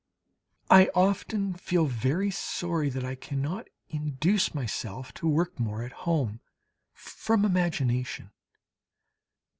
I often feel very sorry that I cannot induce myself to work more at home, from imagination.